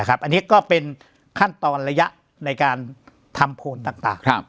อันนี้ก็เป็นขั้นตอนระยะในการทำโพลต่าง